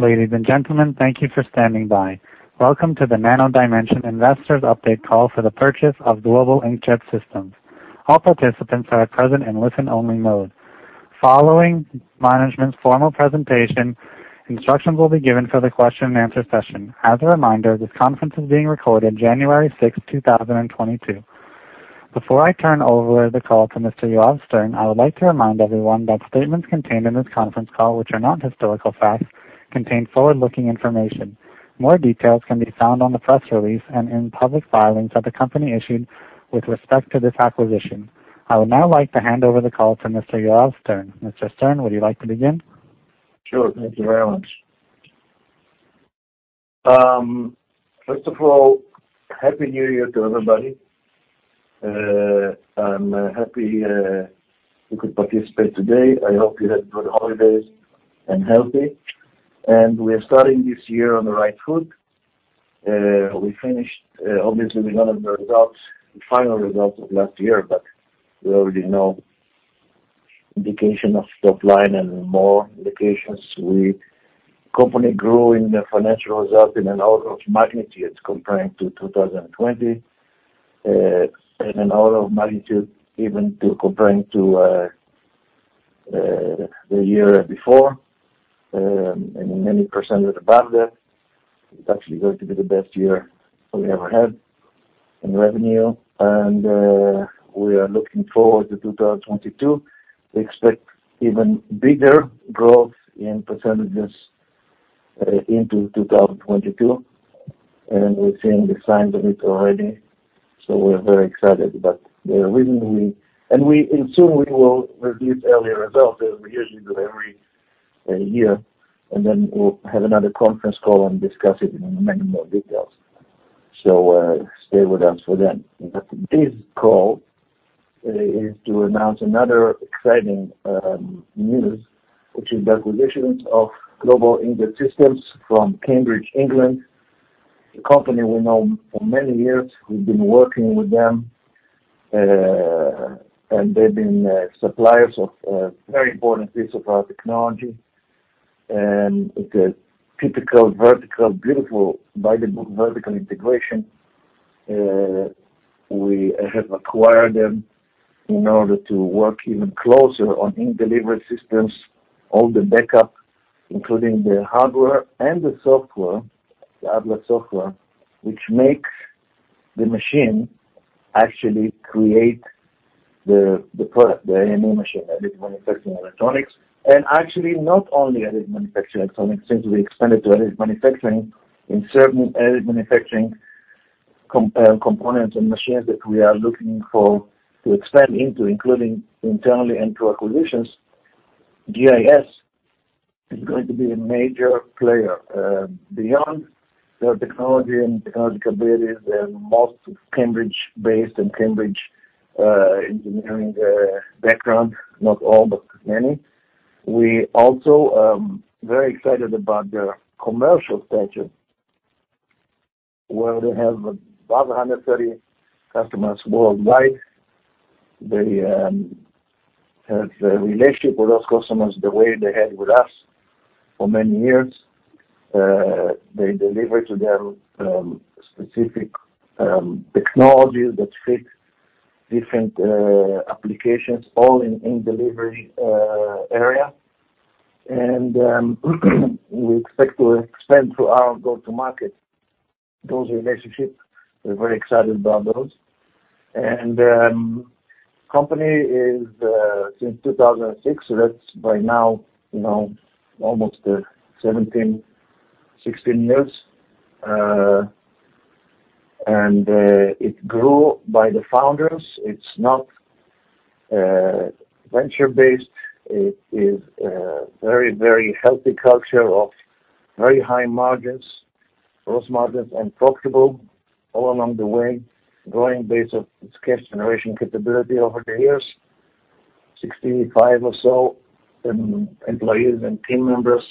Ladies and gentlemen, thank you for standing by. Welcome to the Nano Dimension Investors Update Call for the purchase of Global Inkjet Systems. All participants are present in listen only mode. Following management's formal presentation, instructions will be given for the question-and-answer session. As a reminder, this conference is being recorded January 6, 2022. Before I turn over the call to Mr. Yoav Stern, I would like to remind everyone that statements contained in this conference call, which are not historical facts, contain forward-looking information. More details can be found on the press release and in public filings that the company issued with respect to this acquisition. I would now like to hand over the call to Mr. Yoav Stern. Mr. Stern, would you like to begin? Sure. Thank you very much. First of all, Happy New Year to everybody. I'm happy you could participate today. I hope you had good holidays and healthy. We're starting this year on the right foot. We finished, obviously, we don't have the results, the final results of last year, but we already know indication of top line and more indications. Company grew in the financial result in an order of magnitude comparing to 2020. In an order of magnitude even comparing to the year before, and many% above that. It's actually going to be the best year we ever had in revenue. We are looking forward to 2022. We expect even bigger growth in percentages into 2022, and we're seeing the signs of it already, so we're very excited. We soon will release early results as we usually do every year, and then we'll have another conference call and discuss it in many more details. Stay with us for then. This call is to announce another exciting news, which is the acquisition of Global Inkjet Systems from Cambridge, England. A company we know for many years, we've been working with them, and they've been suppliers of a very important piece of our technology. It is typical, vertical, beautiful by the book, vertical integration. We have acquired them in order to work even closer on ink delivery systems, all the backup, including the hardware and the software, the Atlas software, which makes the machine actually create the product, the AME machine, Additively Manufactured Electronics. Actually not only Additively Manufactured Electronics, since we expand it to additive manufacturing in certain additive manufacturing components and machines that we are looking for to expand into, including internally and through acquisitions. GIS is going to be a major player, beyond their technology and technological abilities and most Cambridge-based and Cambridge engineering background, not all, but many. We also very excited about their commercial stature, where they have above 130 customers worldwide. They have a relationship with those customers the way they had with us for many years. They deliver to them specific technologies that fit different applications all in ink delivery area. We expect to expand through our go-to-market those relationships. We're very excited about those. The company is since 2006, so that's by now almost 16 years. It grew by the founders. It's not venture-based. It is a very, very healthy culture of very high margins, gross margins, and profitable all along the way, growing base of its cash generation capability over the years. 65 or so employees and team members,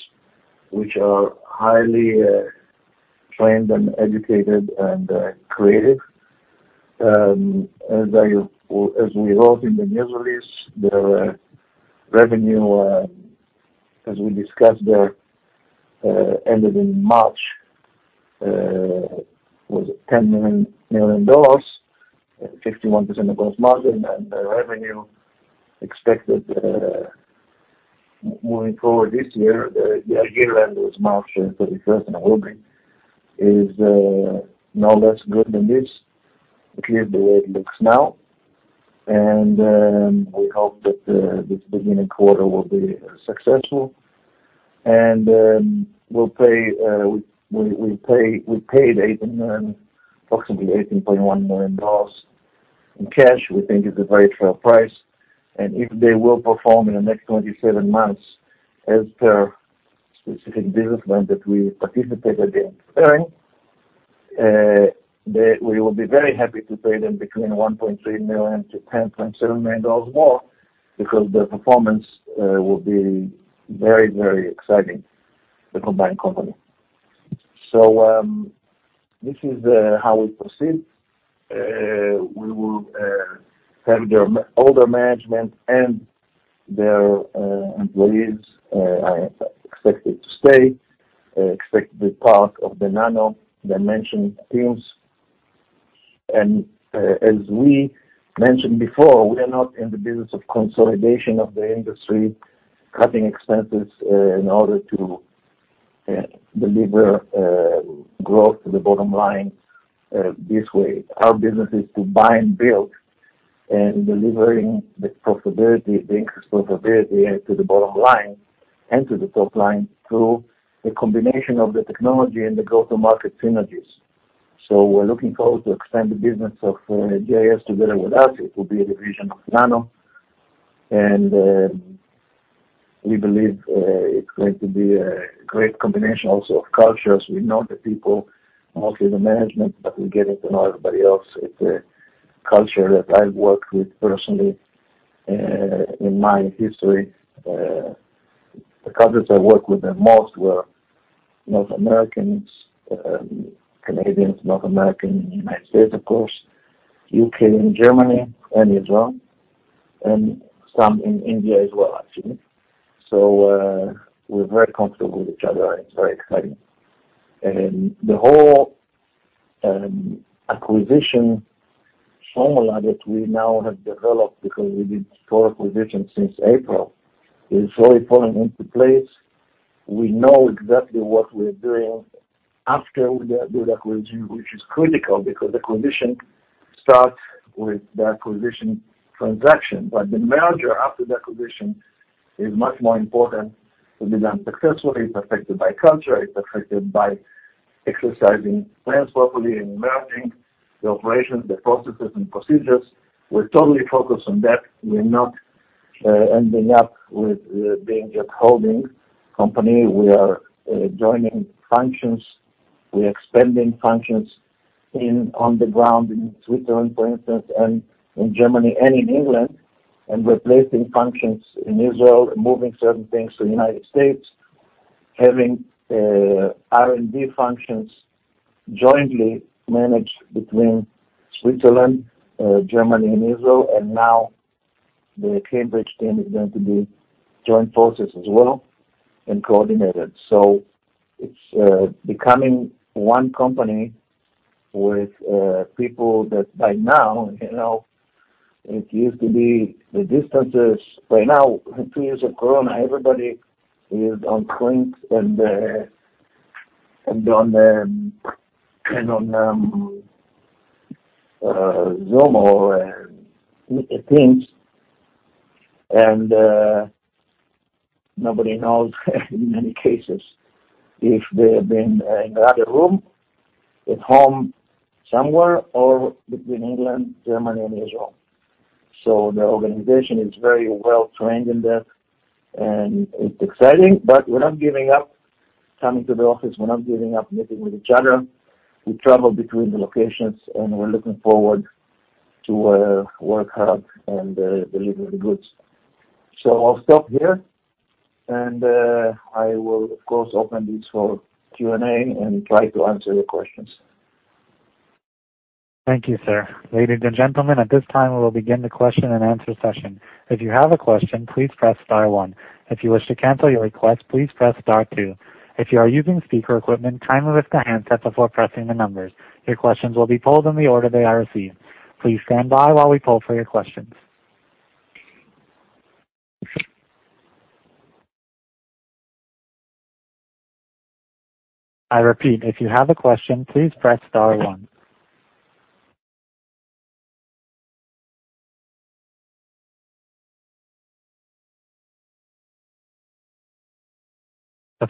which are highly trained and educated and creative. As we wrote in the news release, their revenue, as we discussed there, ended in March with $10 million, 51% gross margin. The revenue expected moving forward this year, the year end was March 31, and it will be no less good than this, at least the way it looks now. We hope that this beginning quarter will be successful. We paid approximately $8.1 million in cash. We think it's a very fair price. If they will perform in the next 27 months as per specific business plan that we participated in preparing, we will be very happy to pay them between $1.3 million and $10.7 million more because their performance will be very exciting, the combined company. This is how we proceed. We will have all their management and their employees are expected to stay as part of the Nano Dimension teams. As we mentioned before, we are not in the business of consolidation of the industry, cutting expenses in order to deliver growth to the bottom line this way. Our business is to buy and build and delivering the profitability, the increased profitability to the bottom line and to the top line through the combination of the technology and the go-to-market synergies. We're looking forward to expand the business of GIS together with us. It will be a division of Nano. We believe it's going to be a great combination also of cultures. We know the people, mostly the management, but we're getting to know everybody else. It's a culture that I've worked with personally in my history. The countries I work with the most were North Americans, Canadians, North American, United States, of course, U.K. and Germany and Israel, and some in India as well, actually. We're very comfortable with each other, and it's very exciting. The whole acquisition formula that we now have developed because we did four acquisitions since April is really falling into place. We know exactly what we're doing after we do the acquisition, which is critical because the acquisition starts with the acquisition transaction. The merger after the acquisition is much more important to be done successfully. It's affected by culture, it's affected by exercising plans properly and merging the operations, the processes and procedures. We're totally focused on that. We're not ending up with being just holding company. We are joining functions. We're expanding functions on the ground in Switzerland, for instance, and in Germany and in England, and replacing functions in Israel and moving certain things to the United States, having R&D functions jointly managed between Switzerland, Germany and Israel. Now the Cambridge team is going to be joining forces as well and coordinated. It's becoming one company with people that by now it used to be the distances. Right now, two years of corona, everybody is on Webex and on Zoom or Teams. Nobody knows in many cases if they've been in the other room, at home somewhere or between England, Germany and Israel. The organization is very well trained in that, and it's exciting. We're not giving up coming to the office. We're not giving up meeting with each other. We travel between the locations, and we're looking forward to work hard and deliver the goods. I'll stop here, and I will of course open this for Q&A and try to answer your questions. The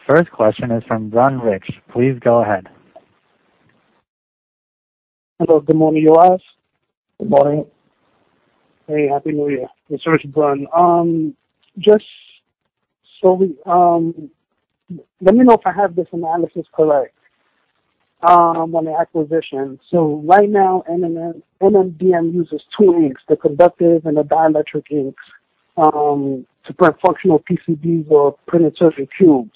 first question is from Brun Rich. Please go ahead. Hello. Good morning, Yoav. Good morning. Hey, happy New Year. This is Brun. Let me know if I have this analysis correct on the acquisition. Right now, AME uses two inks, the conductive and the dielectric inks, to print functional PCBs or printed circuit boards.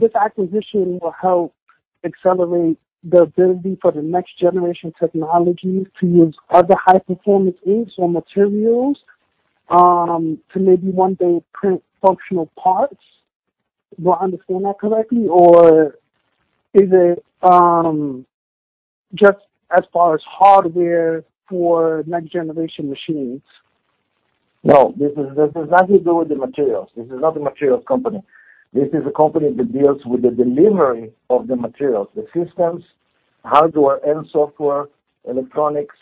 This acquisition will help accelerate the ability for the next generation technology to use other high performance inks or materials, to maybe one day print functional parts. Do I understand that correctly? Or is it just as far as hardware for next generation machines? No, this is, this has nothing to do with the materials. This is not a materials company. This is a company that deals with the delivery of the materials, the systems, hardware and software, electronics,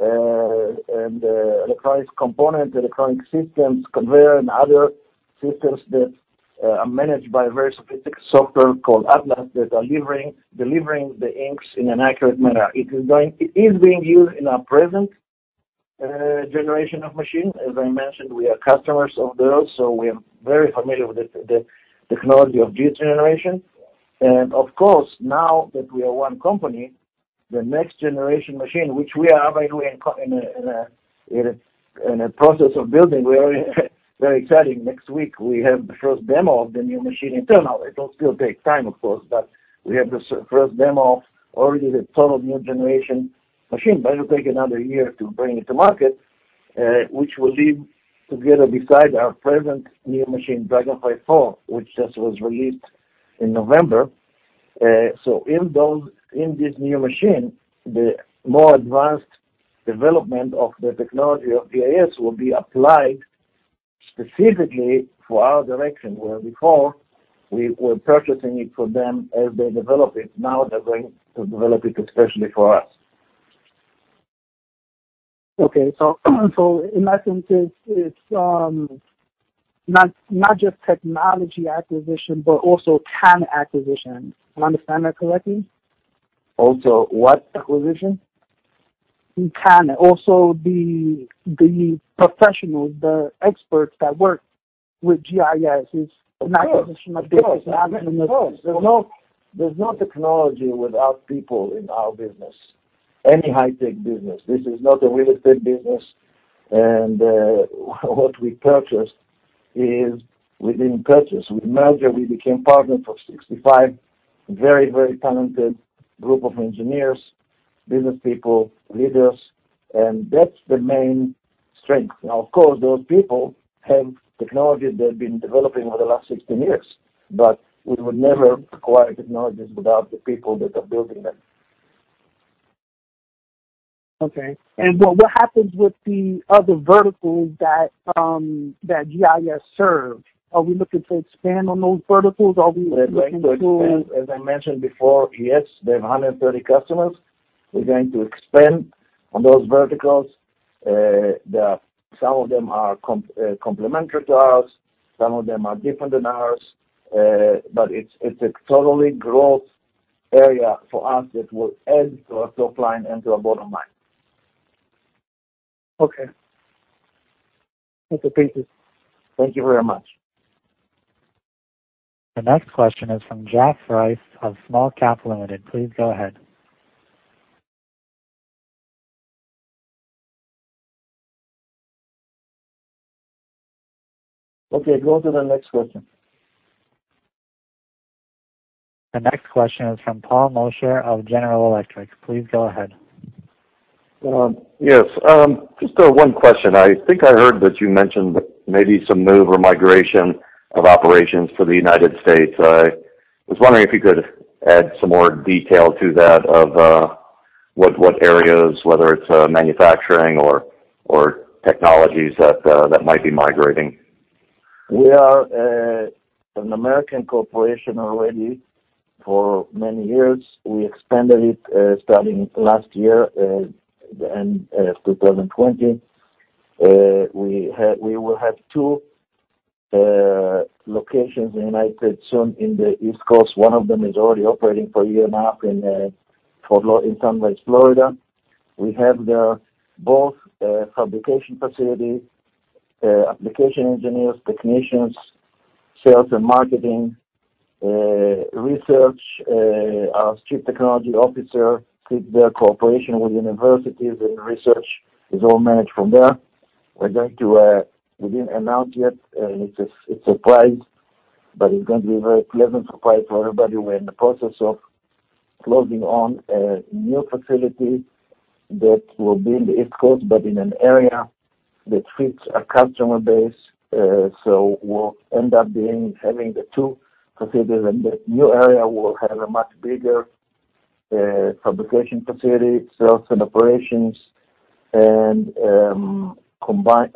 and electronics component, electronic systems, conveyor, and other systems that are managed by a very specific software called Atlas that are delivering the inks in an accurate manner. It is being used in our present generation of machines. As I mentioned, we are customers of those, so we are very familiar with the technology of this generation. Of course, now that we are one company. The next generation machine, which we are, by the way, in a process of building. We are very excited. Next week we have the first demo of the new machine internal. It will still take time, of course, but we have the first demo already, the total new generation machine. It will take another year to bring it to market, which will live together beside our present new machine, DragonFly four, which just was released in November. In this new machine, the more advanced development of the technology of GIS will be applied specifically for our direction, where before we were purchasing it from them as they develop it. Now they're going to develop it especially for us. Okay. In that sense it's not just technology acquisition but also talent acquisition. Am I understanding that correctly? Also, what acquisition? In talent. Also, the professionals, the experts that work with GIS. Of course. An acquisition of business. Of course. There's no technology without people in our business. Any high-tech business. This is not a real estate business. What we purchased is we didn't purchase, we merged, we became partners of 65 very, very talented group of engineers, business people, leaders, and that's the main strength. Now, of course, those people have technology they've been developing over the last 16 years, but we would never acquire technologies without the people that are building them. Okay. What happens with the other verticals that GIS serve? Are we looking to expand on those verticals? Are we looking to- We're going to expand. As I mentioned before, yes, they have 130 customers. We're going to expand on those verticals. Some of them are complementary to us, some of them are different than ours, but it's a totally growth area for us that will add to our top line and to our bottom line. Okay. Thank you, Pitish. Thank you very much. The next question is from Jack Rice of Small Cap Limited. Please go ahead. Okay. Go to the next question. The next question is from Paul Mosher of General Electric. Please go ahead. Yes. Just one question. I think I heard that you mentioned maybe some move or migration of operations to the United States. I was wondering if you could add some more detail to that of what areas, whether it's manufacturing or technologies that might be migrating. We are an American corporation already for many years. We expanded it starting last year, the end of 2020. We will have two locations in the U.S. soon in the East Coast. One of them is already operating for a year and a half in Sunrise, Florida. We have there both fabrication facility, application engineers, technicians, sales and marketing, research, our Chief Technology Officer with their cooperation with universities and research is all managed from there. We didn't announce yet. It's a surprise, but it's going to be a very pleasant surprise for everybody. We're in the process of closing on a new facility that will be in the East Coast, but in an area that fits our customer base. We'll end up having the two facilities, and the new area will have a much bigger fabrication facility, sales and operations, and combined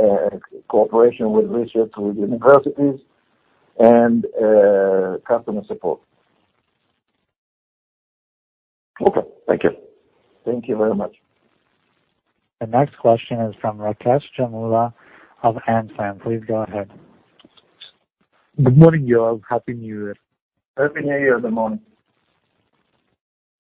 cooperation with research with universities and customer support. Okay. Thank you. Thank you very much. The next question is from Rakesh Jamura of Hansham. Please go ahead. Good morning, Yoav. Happy New Year. Happy New Year. Good morning.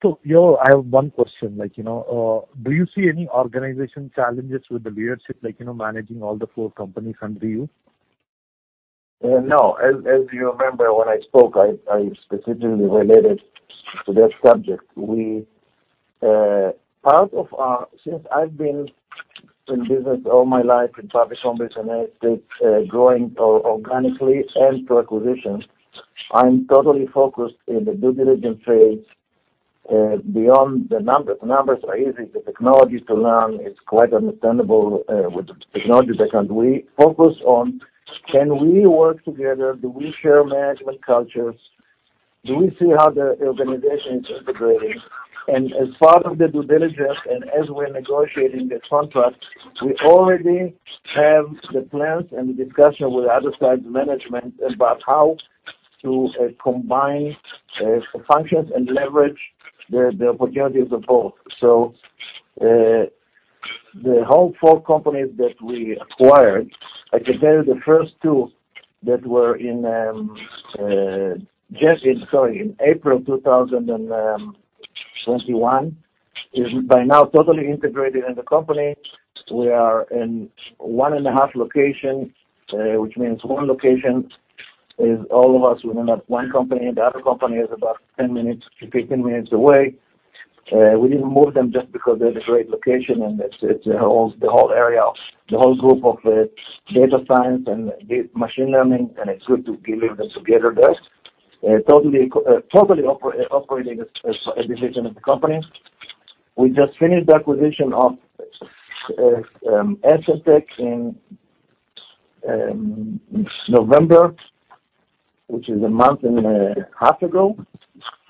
Yoav, I have one question. like do you see any organizational challenges with the leadership, like managing all the four companies under you? No. As you remember when I spoke, I specifically related to that subject. Since I've been in business all my life in public companies and equities, growing organically and through acquisitions, I'm totally focused in the due diligence phase, beyond the numbers. The numbers are easy. The technology to learn is quite understandable, with the technology background. We focus on can we work together? Do we share management cultures? Do we see how the organization is integrating? As part of the due diligence and as we're negotiating the contract, we already have the plans and the discussion with the other side's management about how to combine functions and leverage the opportunities of both. The four companies that we acquired, I can tell you the first two that were in April 2021 are by now totally integrated in the company. We are in one and a half locations, which means one location is all of us within that one company. The other company is about 10-15 minutes away. We didn't move them just because it's a great location, and it's the whole area, the whole group of data science and machine learning, and it's good to have this togetherness. Totally operating as a division of the company. We just finished the acquisition of Essemtec in November, which is a month and a half ago.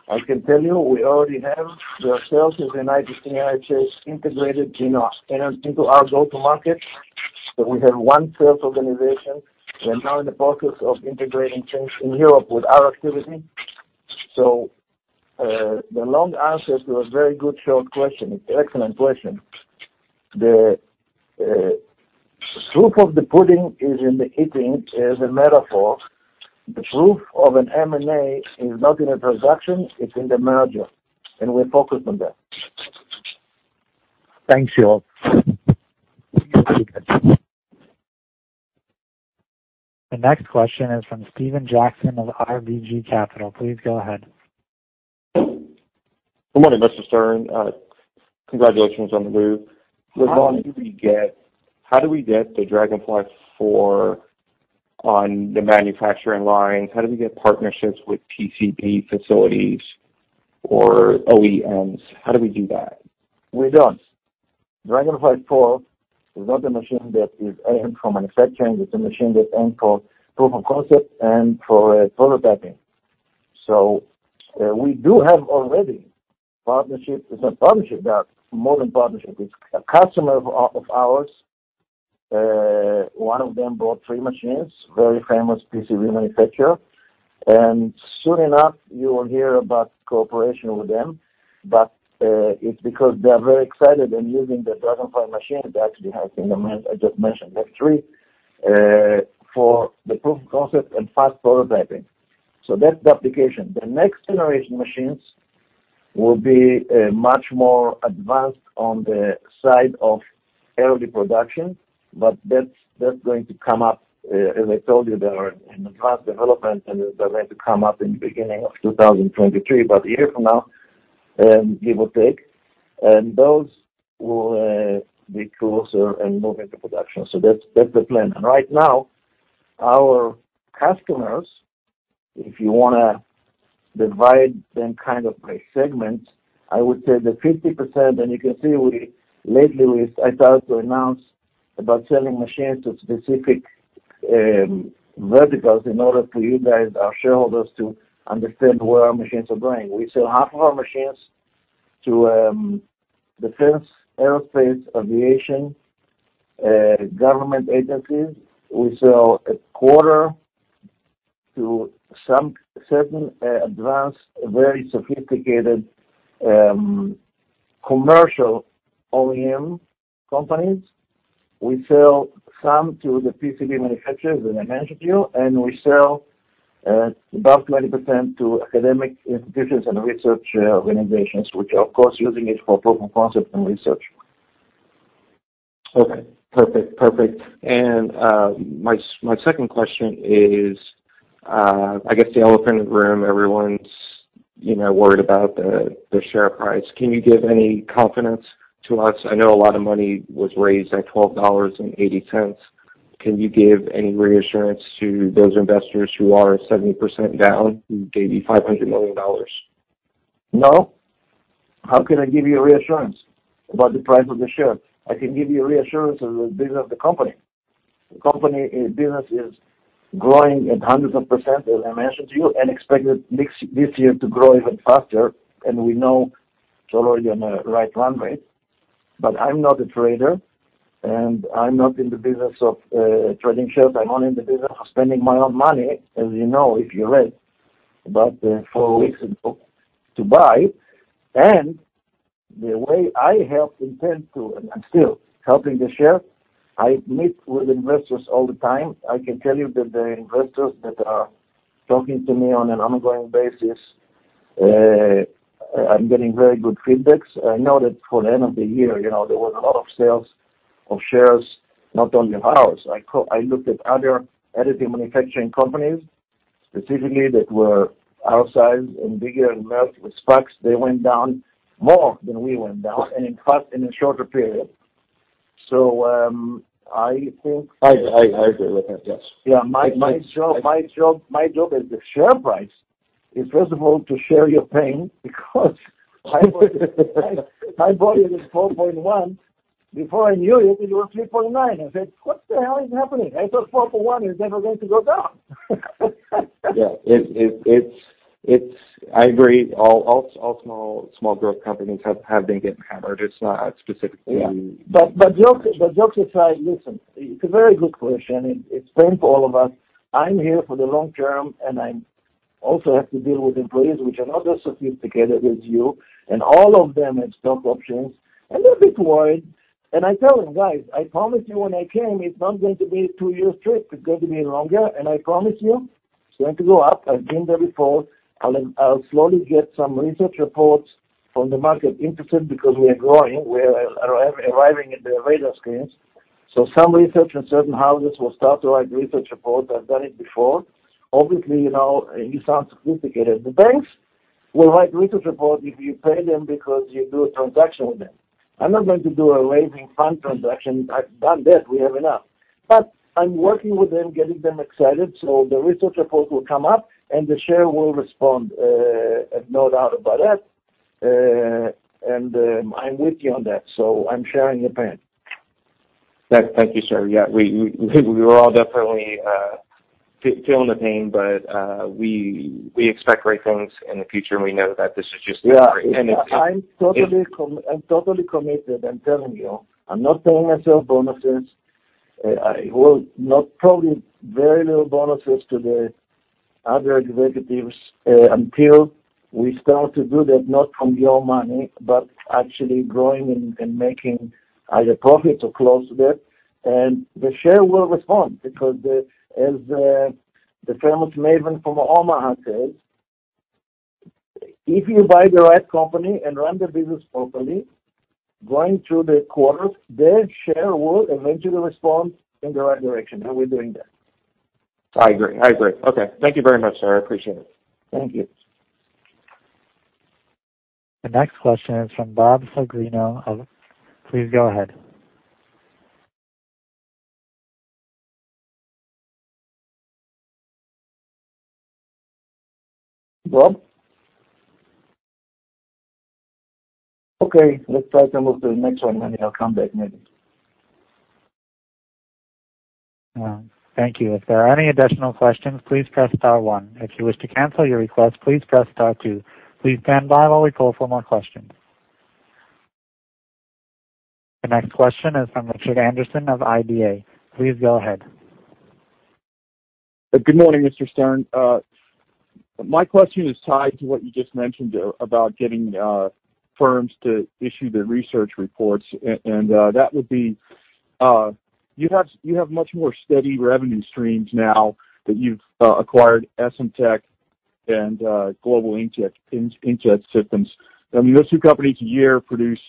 I can tell you, we already have their sales within ITCA, IHS integrated into our go-to-market. We have one sales organization. We are now in the process of integrating change in Europe with our activity. The long answer to a very good short question, it's an excellent question. The proof of the pudding is in the eating is a metaphor. The proof of an M&A is not in a production, it's in the merger, and we're focused on that. Thanks, Yoav. The next question is from Steven Jackson of RBC Capital. Please go ahead. Good morning, Mr. Stern. Congratulations on the move. How long do we get? How do we get the DragonFly IV on the manufacturing lines? How do we get partnerships with PCB facilities or OEMs? How do we do that? We don't. DragonFly IV is not a machine that is aimed at the production chain. It's a machine that's aimed for proof of concept and for prototyping. We do have already partnerships. It's not partnership, but more than partnership. It's a customer of ours. One of them bought 3 machines, very famous PCB manufacturer. Soon enough, you will hear about cooperation with them. It's because they are very excited in using the DragonFly machine that actually has I just mentioned, IV, for the proof of concept and fast prototyping. That's the application. The next generation machines will be much more advanced on the side of early production, but that's going to come up. As I told you, they are in advanced development, and they're going to come up in the beginning of 2023, about a year from now, give or take. Those will be closer and move into production. That's the plan. Right now, our customers, if you wanna divide them kind of by segments, I would say that 50%, and you can see we lately started to announce about selling machines to specific verticals in order for you guys, our shareholders, to understand where our machines are going. We sell half of our machines to defense, aerospace, aviation, government agencies. We sell a quarter to some certain advanced, very sophisticated commercial OEM companies. We sell some to the PCB manufacturers, as I mentioned to you, and we sell about 20% to academic institutions and research organizations, which are of course using it for proof of concept and research. Okay. Perfect. Perfect. My second question is, I guess the elephant in the room, everyone's worried about the share price. Can you give any confidence to us? I know a lot of money was raised at $12.80. Can you give any reassurance to those investors who are 70% down, who gave you $500 million? No. How can I give you a reassurance about the price of the share? I can give you a reassurance of the business of the company. The company business is growing at hundreds of %, as I mentioned to you, and expected this year to grow even faster, and we know it's already on a right run rate. I'm not a trader, and I'm not in the business of trading shares. I'm only in the business of spending my own money, as you know, if you read about four weeks ago to buy. The way I intend to help, and I'm still helping the share, I meet with investors all the time. I can tell you that the investors that are talking to me on an ongoing basis, I'm getting very good feedback. I know that for the end of the year there was a lot of sales of shares, not only ours. I looked at other additive manufacturing companies, specifically that were our size and bigger and merged with SPACs. They went down more than we went down, and in a shorter period. I think- I agree with that. Yes. Yeah. My job is the share price is first of all to share your pain because I bought it at $4.1. Before I knew it was $3.9. I said, "What the hell is happening? I thought $4.1 is never going to go down. Yeah. I agree. All small growth companies have been getting hammered. It's not specifically Yeah. Jokes aside, listen, it's a very good question. It's pain for all of us. I'm here for the long term, and I also have to deal with employees, which are not as sophisticated as you, and all of them have stock options, and they're a bit worried. I tell them, "Guys, I promise you when I came, it's not going to be a two-year trip. It's going to be longer. And I promise you, it's going to go up. I've been there before. I'll slowly get some research reports from the market interested because we are growing. We are arriving in the radar screens." Some research and certain houses will start to write research report. I've done it before. obviously you sound sophisticated. The banks will write research report if you pay them because you do a transaction with them. I'm not going to do a fundraising transaction. I've done that. We have enough. I'm working with them, getting them excited, so the research report will come up, and the share will respond, no doubt about that. I'm with you on that, so I'm sharing the pain. Thank you, sir. Yeah, we're all definitely feeling the pain, but we expect great things in the future, and we know that this is just Yeah. And it's- I'm totally committed. I'm telling you. I'm not paying myself bonuses. I will pay probably very little bonuses to the other executives until we start to do that, not from your money, but actually growing and making either profit or close to that. The share will respond because, as the famous maven from Omaha says, "If you buy the right company and run the business properly, going through the quarters, the share will eventually respond in the right direction." We're doing that. I agree. Okay. Thank you very much, sir. I appreciate it. Thank you. The next question is from Bob Sagrino. Please go ahead. Bob? Okay, let's try to move to the next one, maybe he'll come back maybe. Well, thank you. The next question is from Richard Anderson of IBA. Please go ahead. Good morning, Mr. Stern. My question is tied to what you just mentioned about getting firms to issue the research reports. That would be, you have much more steady revenue streams now that you've acquired Essemtec and Global Inkjet Systems. I mean, those two companies a year produce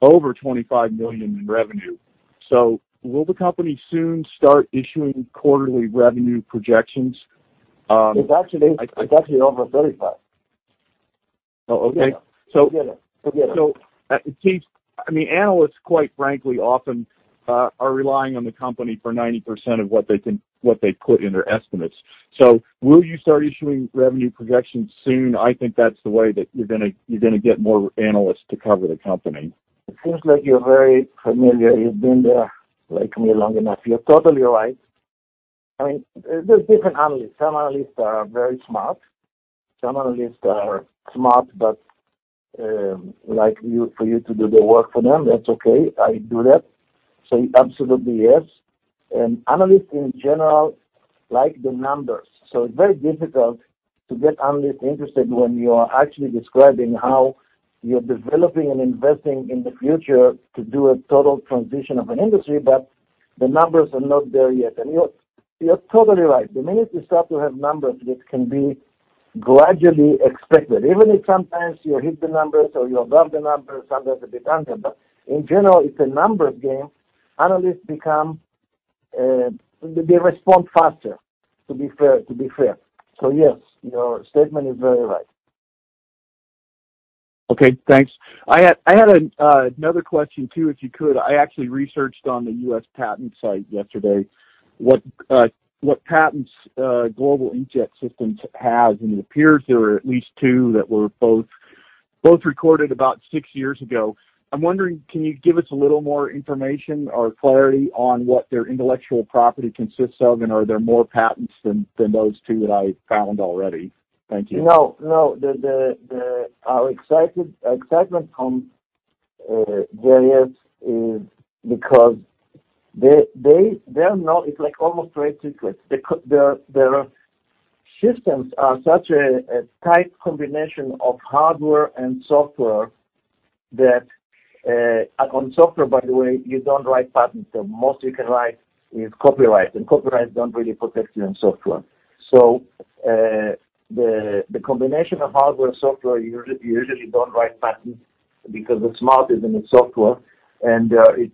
over $25 million in revenue. Will the company soon start issuing quarterly revenue projections? It's actually over 35. Oh, okay. Forget it. It seems, I mean, analysts quite frankly often are relying on the company for 90% of what they put in their estimates. Will you start issuing revenue projections soon? I think that's the way that you're gonna get more analysts to cover the company. It seems like you're very familiar. You've been there like me long enough. You're totally right. I mean, there's different analysts. Some analysts are very smart. Some analysts are smart, but like you, for you to do the work for them, that's okay. I do that. Absolutely yes. Analysts in general like the numbers, so it's very difficult to get analysts interested when you are actually describing how you're developing and investing in the future to do a total transition of an industry, but the numbers are not there yet. You're totally right. The minute you start to have numbers that can be gradually expected, even if sometimes you hit the numbers or you're above the numbers, sometimes a bit under. In general, it's a numbers game. Analysts become they respond faster, to be fair. Yes, your statement is very right. Okay, thanks. I had another question too, if you could. I actually researched on the U.S. patent site yesterday what patents Global Inkjet Systems has, and it appears there are at least two that were both recorded about six years ago. I'm wondering, can you give us a little more information or clarity on what their intellectual property consists of, and are there more patents than those two that I found already? Thank you. No, no. Our excitement from GIS is because they're not. It's like almost trade secrets. Their systems are such a tight combination of hardware and software. On software, by the way, you don't write patents. The most you can write is copyrights, and copyrights don't really protect you in software. So, the combination of hardware and software, you usually don't write patents because the smart is in the software, and it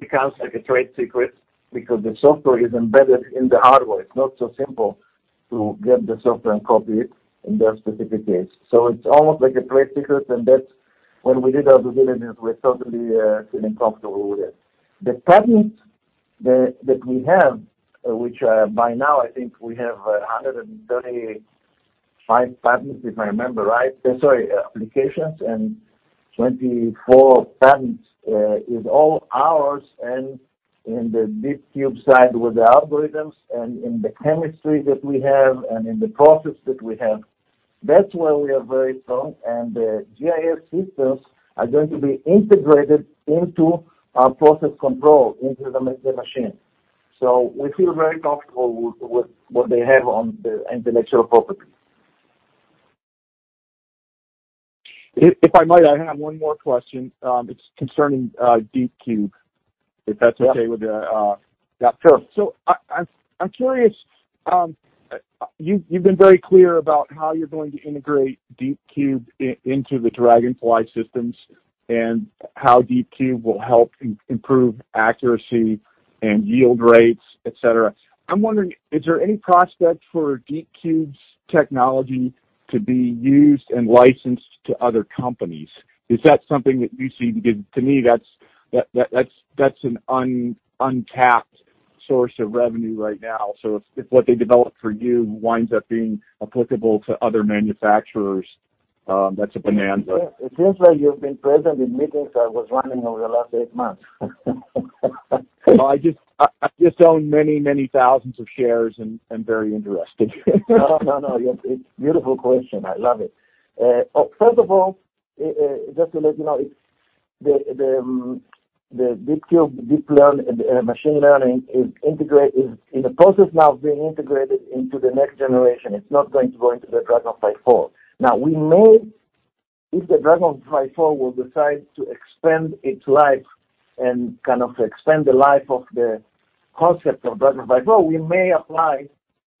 becomes like a trade secret because the software is embedded in the hardware. It's not so simple to get the software and copy it in their specific case. So it's almost like a trade secret, and that's when we did our due diligence, we're totally feeling comfortable with it. The patents that we have, which by now I think we have 135 applications and 24 patents, if I remember right, is all ours and in the DeepCube side with the algorithms and in the chemistry that we have and in the process that we have. That's where we are very strong, and the GIS systems are going to be integrated into our process control into the machine. We feel very comfortable with what they have on the intellectual property. If I might, I have one more question. It's concerning DeepCube, if that's okay with—Yeah, sure. I'm curious, you've been very clear about how you're going to integrate DeepCube into the DragonFly systems and how DeepCube will help improve accuracy and yield rates, et cetera. I'm wondering, is there any prospect for DeepCube's technology to be used and licensed to other companies? Is that something that you see? Because to me, that's an untapped source of revenue right now. If what they developed for you winds up being applicable to other manufacturers, that's a bonanza. It seems like you've been present in meetings I was running over the last eight months. No, I just own many thousands of shares and very interested. No, no. It's beautiful question. I love it. First of all, just to let you know, it's the DeepCube deep learning and machine learning is in the process now of being integrated into the next generation. It's not going to go into the DragonFly IV. Now, we may, if the DragonFly IV will decide to expand its life and kind of expand the life of the concept of DragonFly IV, we may apply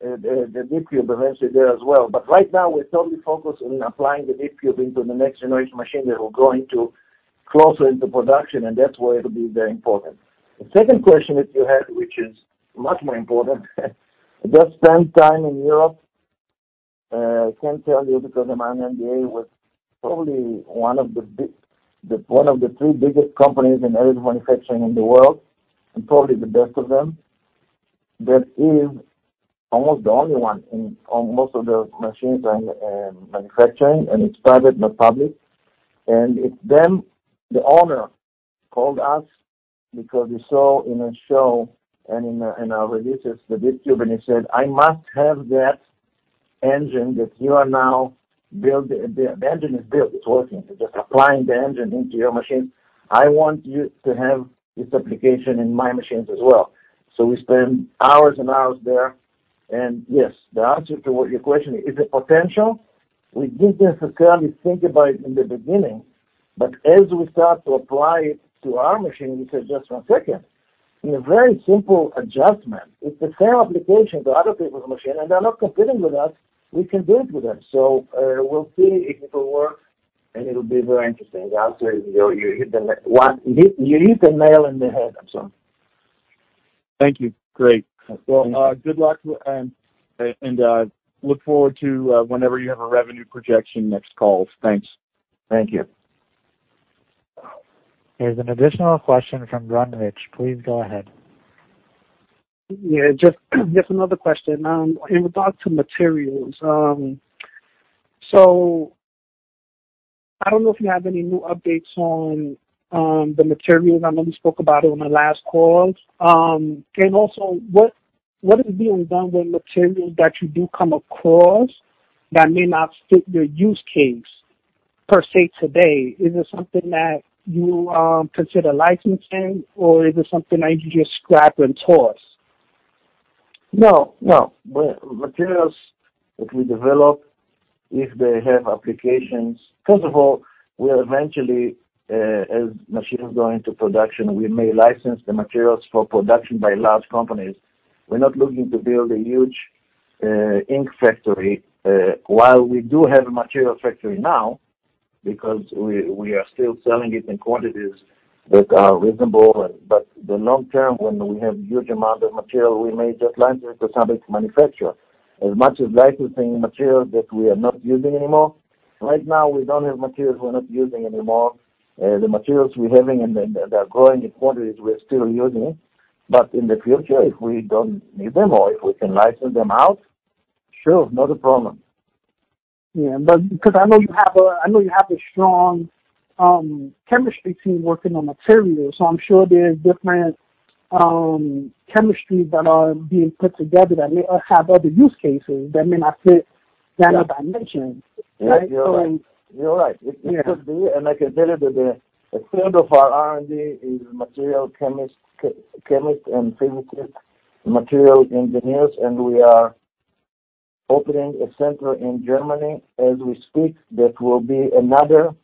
the DeepCube eventually there as well. But right now, we're totally focused on applying the DeepCube into the next generation machine that will go closer to production, and that's where it'll be very important. The second question that you had, which is much more important, I just spent time in Europe. I can't tell you because I signed an NDA with probably the one of the three biggest companies in additive manufacturing in the world, and probably the best of them. That is almost the only one in on most of the machines and manufacturing, and it's private, not public. It's them, the owner called us because he saw at a show and in our releases, the DeepCube, and he said, "I must have that engine that you are now building." The engine is built, it's working. It's just applying the engine into your machine. "I want you to have this application in my machines as well." We spent hours and hours there. Yes, the answer to your question, is it potential? We didn't necessarily think about it in the beginning, but as we start to apply it to our machine, we said, just one second. In a very simple adjustment, it's the same application to other people's machine, and they're not competing with us, we can do it with them. We'll see if it will work, and it'll be very interesting. The answer is you hit the one. You hit the nail on the head. I'm sorry. Thank you. Great. Thank you. Well, good luck and look forward to whenever you have a revenue projection next call. Thanks. Thank you. There's an additional question from Ron Rich. Please go ahead. Yeah, just another question. In regards to materials, I don't know if you have any new updates on the materials. I know we spoke about it on the last call. Also, what is being done with materials that you do come across that may not fit your use case per se today? Is it something that you consider licensing, or is it something that you just scrap and toss? No, no. Materials that we develop, if they have applications. First of all, we'll eventually, as machines go into production, we may license the materials for production by large companies. We're not looking to build a huge ink factory. While we do have a material factory now because we are still selling it in quantities that are reasonable. Long term, when we have huge amount of material, we may just license it to somebody to manufacture. As much as licensing material that we are not using anymore. Right now, we don't have materials we're not using anymore. The materials we're having and they're growing in quantities we're still using. In the future, if we don't need them or if we can license them out, sure, not a problem. Yeah. Because I know you have a strong chemistry team working on materials, so I'm sure there's different chemistries that are being put together that may or have other use cases that may not fit Nano Dimension. Right? You're right. It could be, and I can tell you that the third of our R&D is material chemist and physicist, material engineers, and we are opening a center in Germany as we speak that will be another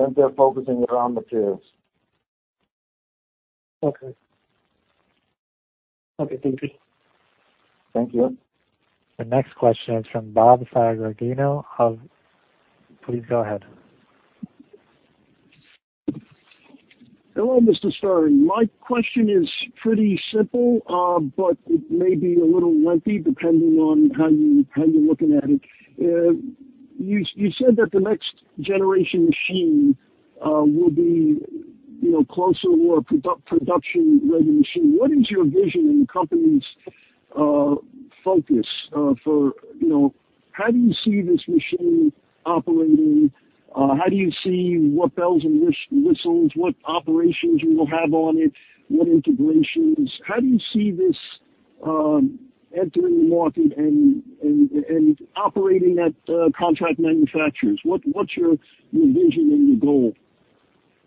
center focusing around materials. Okay, thank you. Thank you. The next question is from Bob Sagardino. Please go ahead. Hello, Mr. Stern. My question is pretty simple, but it may be a little lengthy depending on how you're looking at it. You said that the next generation machine will be closer to a product-production ready machine. What is your vision and the company's focus? You know, how do you see this machine operating? How do you see what bells and whistles, what operations you will have on it, what integrations? How do you see this entering the market and operating at contract manufacturers? What's your vision and your goal?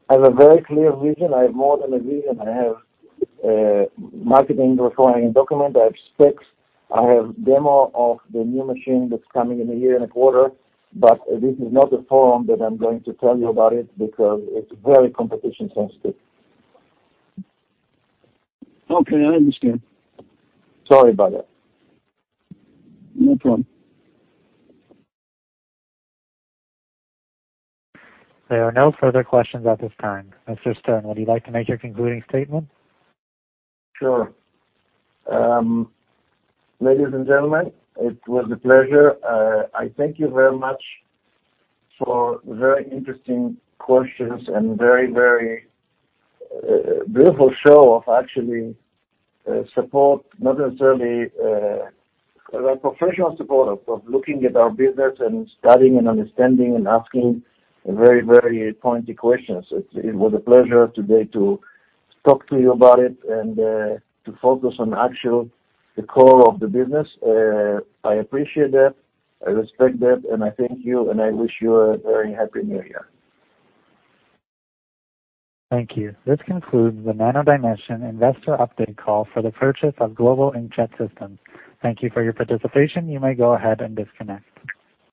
I have a very clear vision. I have more than a vision. I have marketing requirements document. I have specs. I have demo of the new machine that's coming in a year and a quarter, but this is not the forum that I'm going to tell you about it because it's very competitively sensitive. Okay, I understand. Sorry about that. No problem. There are no further questions at this time. Mr. Stern, would you like to make your concluding statement? Sure. Ladies and gentlemen, it was a pleasure. I thank you very much for very interesting questions and very beautiful show of actual support, not necessarily a professional support of looking at our business and studying and understanding and asking very pointy questions. It was a pleasure today to talk to you about it and to focus on actually the core of the business. I appreciate that, I respect that, and I thank you, and I wish you a very happy New Year. Thank you. This concludes the Nano Dimension investor update call for the purchase of Global Inkjet Systems. Thank you for your participation. You may go ahead and disconnect.